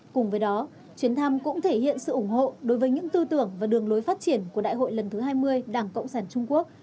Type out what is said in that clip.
cùng với đó chuyến thăm cũng thể hiện sự ủng hộ đối với những tư tưởng và đường lối phát triển của đại hội lần thứ hai mươi đảng cộng sản trung quốc